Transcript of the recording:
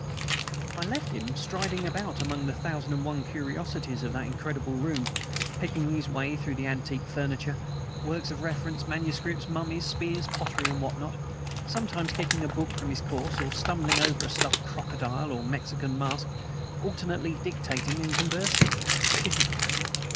I left him striding about among the thousand and one curiosities of that incredible room, picking his way through his antique furniture, works of reference, manuscripts, mummies, spears, pottery and what not sometimes kicking a book from his course, or stumbling over a stuffed crocodile or a Mexican mask alternately dictating and conversing. Phew!"